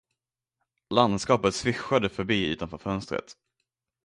Landskapet svischade förbi utanför fönstret.